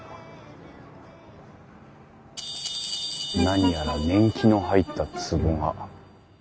何やら年季の入ったつぼが。